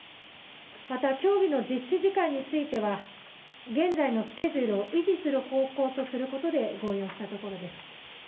また、競技の実施時間については、現在のスケジュールを維持する方向とすることで合意をしたところです。